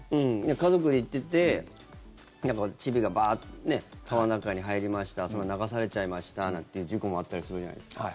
家族で行っててちびがバーッて川の中に入りましたそれで流されちゃいましたなんていう事故もあったりするじゃないですか。